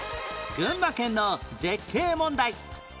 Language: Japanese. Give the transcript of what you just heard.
群馬県の絶景問題